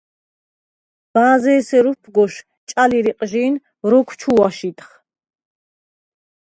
ბა̄ზ’ ესერ უფგოვშ ჭალი რიყჟი̄ნ როგვ ჩუ̄ვ აშიდხ.